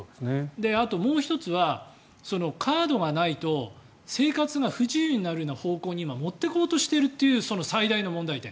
あともう１つはカードがないと生活が不自由になるような方向に今、持っていこうとしているというその最大の問題点。